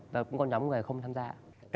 và cũng có nhóm người không tham gia